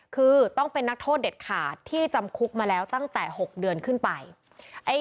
คือต้องเป็นนักโทษเด็ดขาดที่จำคุกมาแล้วตั้งแต่๖เดือนขึ้นไป